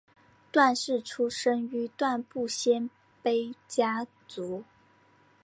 段氏出身于段部鲜卑家族。